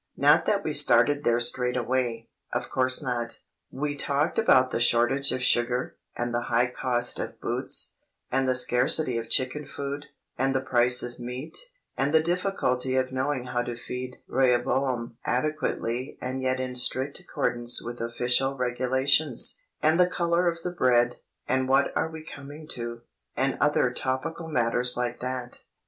Not that we started there straight away—of course not. We talked about the shortage of sugar, and the high cost of boots, and the scarcity of chicken food, and the price of meat, and the difficulty of knowing how to feed Rehoboam adequately and yet in strict accordance with official regulations, and the colour of the bread, and "what are we coming to," and other topical matters like that.